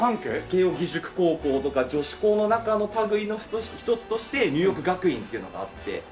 慶應義塾高校とか女子校の中の類いの一つとしてニューヨーク学院っていうのがあって。